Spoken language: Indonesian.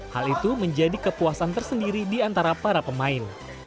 hal itu menjadi kepuasan tersendiri di antara para pemain